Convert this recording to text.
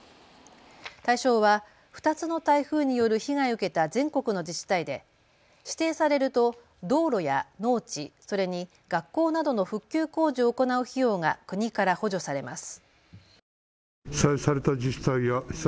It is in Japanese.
対象は２つの台風による被害を受けた全国の自治体で指定されると道路や農地、それに学校などの復旧工事を行う費用が国から補助されます。